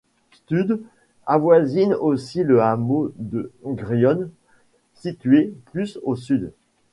Stud avoisine aussi le hameau de Groynne situé plus au sud.